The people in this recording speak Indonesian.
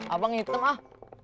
abang hitam ah